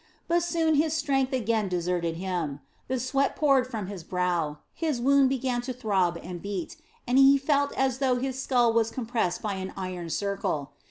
But soon his strength again deserted him, the sweat poured from his brow, his wound began to throb and beat, and he felt as though his skull was compressed by an iron circle.